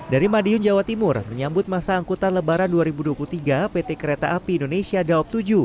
dari madiun jawa timur menyambut masa angkutan lebaran dua ribu dua puluh tiga pt kereta api indonesia daob tujuh